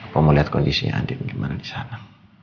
pemulihan kondisi adik gimana di sana